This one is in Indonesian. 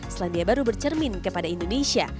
selandia baru bercermin kepada indonesia